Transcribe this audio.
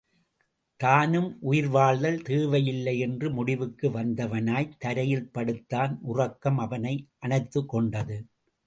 தானும் உயிர் வாழ்தல் தேவையில்லை என்று முடிவுக்கு வந்தவனாய்த் தரையில் படுத்தான் உறக்கம் அவனை அனைத்துக் கொண்டது.